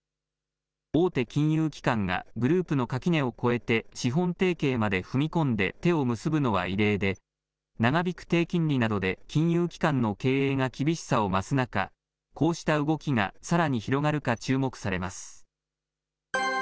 大手金融機関がグループの垣根を越えて、資本提携まで踏み込んで手を結ぶのは異例で、長引く低金利などで金融機関の経営が厳しさを増す中、こうした動きがさらに広がるか注目されます。